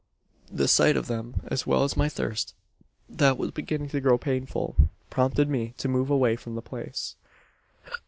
"The sight of them, as well as my thirst that was beginning to grow painful prompted me to move away from the place.